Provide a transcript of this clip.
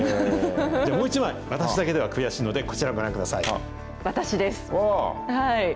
じゃあ、もう一枚、私だけじゃ悔しいのでこちらご覧ください。